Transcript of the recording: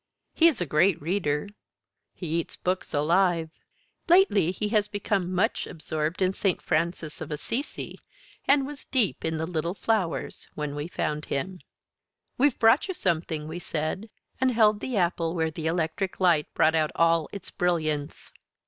He is a great reader. He eats books alive. Lately he has become much absorbed in Saint Francis of Assisi, and was deep in the "Little Flowers" when we found him. "We've brought you something," we said, and held the apple where the electric light brought out all its brilliance.